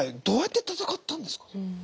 どうやって闘ったんですか。